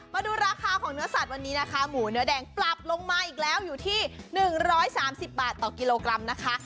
มาดูราคาของเนื้อสัตว์วันนี้นะคะหมูเนื้อแดงปรับลงมาอีกแล้วอยู่ที่๑๓๐บาทต่อกิโลกรัมนะคะ